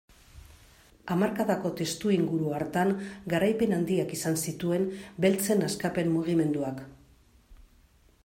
Hamarkadako testuinguru hartan garaipen handiak izan zituen beltzen askapen mugimenduak.